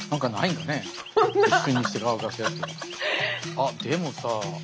あっでもさ。